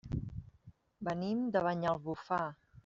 Venim de Banyalbufar.